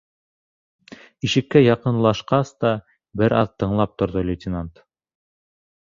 Ишеккә яҡынлашҡас та, бер аҙ тыңлап торҙо лейтенант.